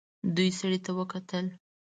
دوی سړي ته وکتل.